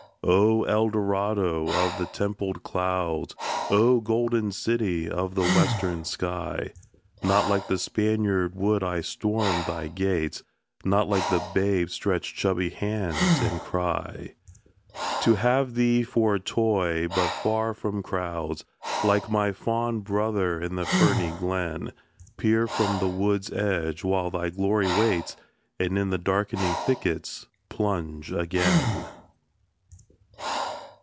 O Eldorado of the templed clouds! O golden city of the western sky! Not like the Spaniard would I storm thy gates; Not like the babe stretch chubby hands and cry To have thee for a toy; but far from crowds, Like my Faun brother in the ferny glen, Peer from the wood's edge while thy glory waits, And in the darkening thickets plunge again.